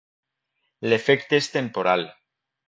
L'efecte és temporal.